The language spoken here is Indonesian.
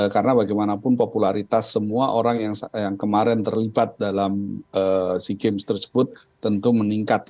karena bagaimanapun popularitas semua orang yang kemarin terlibat dalam sea games tersebut tentu meningkat